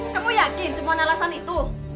kamu yakin semua alasan itu